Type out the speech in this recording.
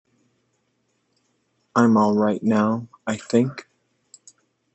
I'm all right now, I think.